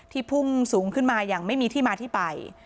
พุ่งสูงขึ้นมาอย่างไม่มีที่มาที่ไป